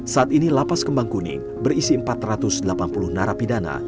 saat ini lapas kembang kuning berisi empat ratus delapan puluh narapidana